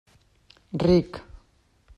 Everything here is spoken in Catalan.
Ric.